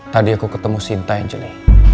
tadi aku ketemu cinta yang jeli